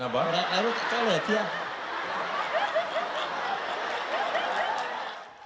rakeleru tidak keren